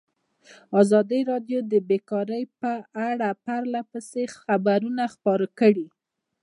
ازادي راډیو د بیکاري په اړه پرله پسې خبرونه خپاره کړي.